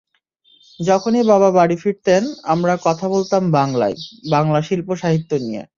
যখনই বাবা বাড়ি ফিরতেন, আমরা কথা বলতাম বাংলায়, বাংলা শিল্প-সাহিত্য নিয়ে।